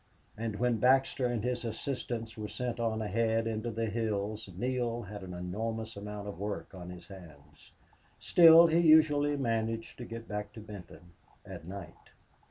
And when Baxter and his assistants were sent on ahead into the hills Neale had an enormous amount of work on his hands. Still he usually managed to get back to Benton at night.